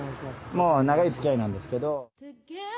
もう長いつきあいなんですけど。